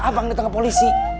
abang di tengah polisi